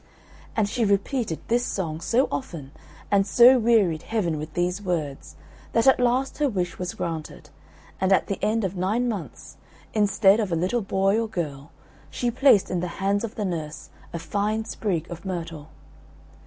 And she repeated this song so often, and so wearied Heaven with these words, that at last her wish was granted; and at the end of nine months, instead of a little boy or girl, she placed in the hands of the nurse a fine sprig of myrtle.